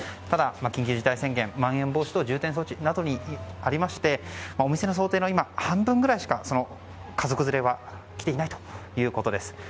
ただ、緊急事態宣言まん延防止等重点措置などになりましてお店の想定の半分くらいしか家族連れは来ていないということです。